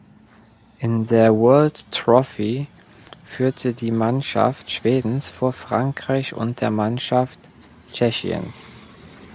In der World Trophy führte die Mannschaft Schwedens vor Frankreich und der Mannschaft Tschechiens.